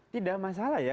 tidak masalah ya